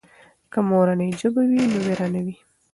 که مورنۍ ژبه وي نو وېره نه وي.